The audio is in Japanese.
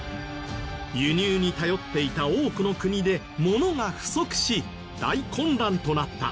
輸入に頼っていた多くの国でものが不足し大混乱となった。